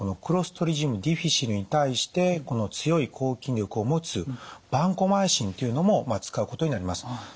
クロストリジウム・ディフィシルに対して強い抗菌力を持つバンコマイシンっていうのも使うことになります。